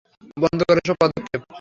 বন্ধ কর এসব পদক্ষেপ।